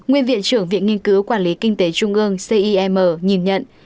nguyên viện trưởng viện nghiên cứu quản lý kinh tế trung ương cim nhìn nhận